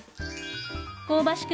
香ばしく